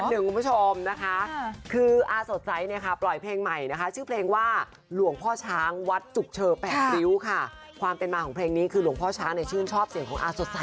เดี๋ยวจะเล่าให้ฟังโหคนนี้ไม่ใช่พี่อีดัสแต่เป็นอีกทางนึงคุณผู้ชมนะคะ